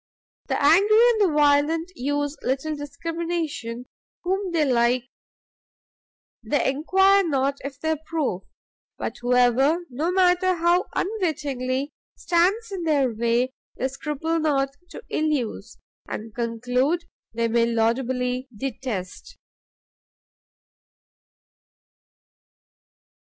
The Angry and the Violent use little discrimination; whom they like, they enquire not if they approve; but whoever, no matter how unwittingly, stands in their way, they scruple not to ill use, and conclude they may laudably detest.